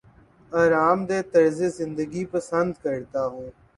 آرام دہ طرز زندگی پسند کرتا ہوں